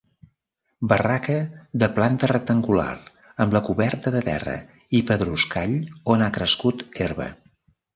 Barraca de planta rectangular amb la coberta de terra i pedruscall on ha crescut herba.